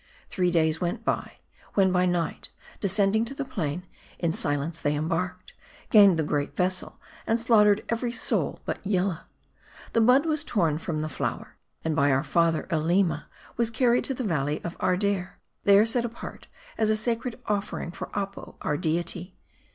Three days went by ; when by night, descending to the plain, in silence they embarked ; gained the great vessel, and slaughtered every soul but Yillah. The bud was torn from the flower ; and, by our father Aleema, was carried to the Valley of Ardair ; there set apart as a sacred offering for Apo, our deity.